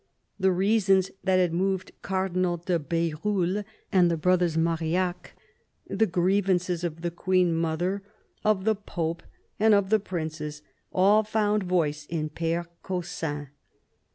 The reasons that had moved Cardinal de BeruUe and the brothers Marillac, the grievances of the Queen mother, of the Pope and of the princes, all found voice in Pere Caussin.